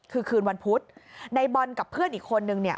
คือคืนวันพุธในบอลกับเพื่อนอีกคนนึงเนี่ย